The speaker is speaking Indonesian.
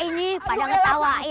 eh ini pada ngetawain